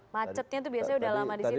macetnya itu biasanya sudah lama di situ ya